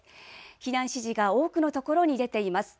避難指示が多くの所に出ています。